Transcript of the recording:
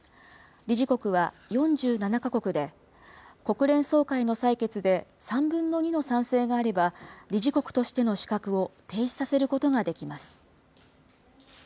理事国は４７か国で、国連総会の採決で３分の２の賛成があれば、理事国としての資格を停止させることができます。